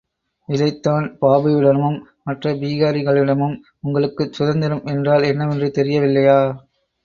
இதைத்தான் பாபுவிடமும், மற்ற பீகாரிகளிடமும், உங்களுக்குச் சுதந்திரம் என்றால் என்னவென்று தெரியவில்லையா?